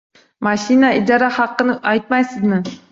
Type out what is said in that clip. Mashina ijara haqqini aytmaysizmi